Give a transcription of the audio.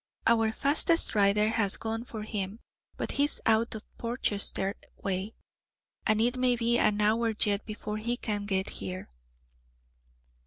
"Our fastest rider has gone for him, but he's out Portchester way, and it may be an hour yet before he can get here."